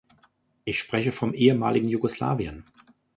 Ich spreche vom ehemaligen Jugoslawien.